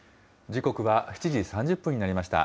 時刻は７時３０分になりました。